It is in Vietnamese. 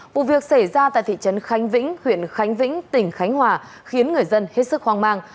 vụ việc xảy ra tại thị trấn khánh vĩnh huyện khánh vĩnh tỉnh khánh hòa khiến người dân hết sức hoang mang